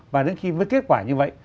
và đến khi với kết quả như vậy